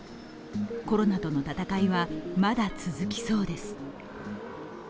コロナとの闘いはまだ続きそうです。